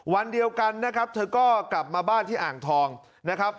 วันเดียวกันนะครับเธอก็กลับมาบ้านที่อ่างทองนะครับ